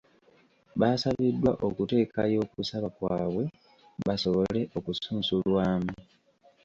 Baasabiddwa okuteekayo okusaba kwabwe basobole okusunsulwamu.